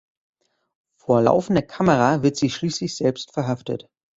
Vor laufender Kamera wird sie schließlich selbst verhaftet.